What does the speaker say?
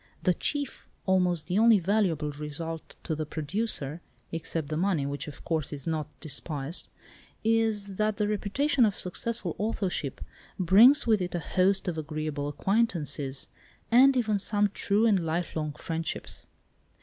The chief, almost the only valuable result to the producer (except the money, which, of course, is not despised) is, that the reputation of successful authorship brings with it a host of agreeable acquaintances, and even some true and lifelong friendships."